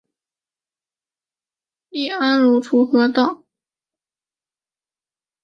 隶安庐滁和道。